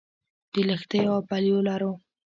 د لښتيو او پلیو لارو